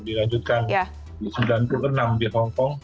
dilajutkan di seribu sembilan ratus sembilan puluh enam di hongkong